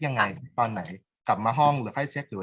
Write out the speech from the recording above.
กากตัวทำอะไรบ้างอยู่ตรงนี้คนเดียว